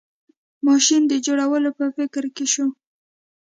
ماشین د جوړولو په فکر کې شو.